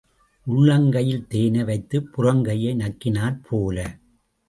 உள்ளங்கையில் தேனை வைத்துப் புறங்கையை நக்கினாற் போல.